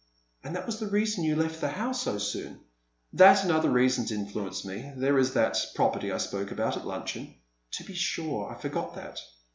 " And that was the reason you left the How so soon ?" "That and other reasons influenced me. There is that pro perty I spoke about at luncheon." " To be sure ; I forgot that."